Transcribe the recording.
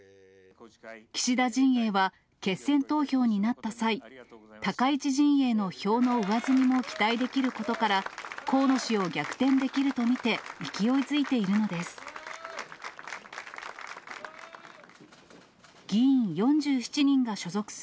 岸田陣営は、決選投票になった際、高市陣営の票の上積みも期待できることから、河野氏を逆転できると見て、勢いづいているのです。